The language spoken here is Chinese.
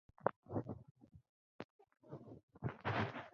福建茶竿竹为禾本科茶秆竹属下的一个变种。